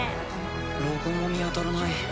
ロゴも見当たらない。